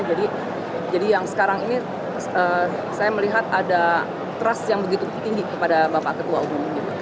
jadi yang sekarang ini saya melihat ada trust yang begitu tinggi kepada bapak ketua umum